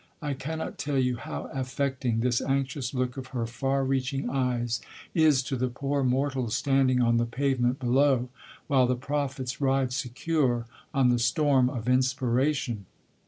I cannot tell you how affecting this anxious look of her far reaching eyes is to the poor mortals standing on the pavement below, while the Prophets ride secure on the storm of Inspiration....